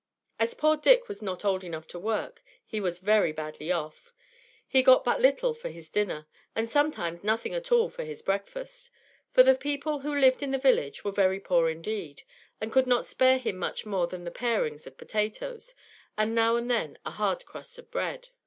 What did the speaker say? As poor Dick was not old enough to work, he was very badly off; he got but little for his dinner, and sometimes nothing at all for his breakfast; for the people who lived in the village were very poor indeed, and could not spare him much more than the parings of potatoes, and now and then a hard crust of bread.